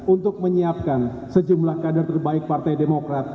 untuk menyiapkan sejumlah kader terbaik partai demokrat